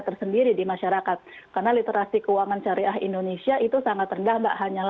tersendiri di masyarakat karena literasi keuangan syariah indonesia itu sangat rendah mbak hanya